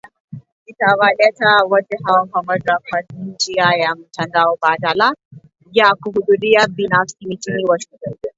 itawaleta wote hao pamoja kwa njia ya mtandao badala ya kuhudhuria binafsi mjini Washington